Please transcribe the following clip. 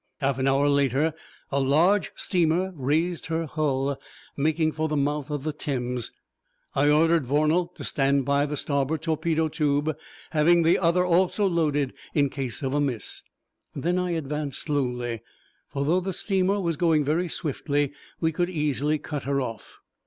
Half an hour later a large steamer raised her hull, making for the mouth of the Thames. I ordered Vornal to stand by the starboard torpedo tube, having the other also loaded in case of a miss. Then I advanced slowly, for though the steamer was going very swiftly we could easily cut her off.